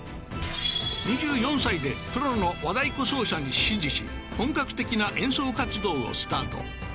２４歳でプロの和太鼓奏者に師事し本格的な演奏活動をスタート